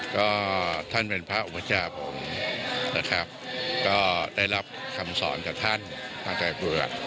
ก็ท่านเป็นพระอุปจับนะครับก็ได้รับคำสอนจากท่านทางไทยภูเกิร์ต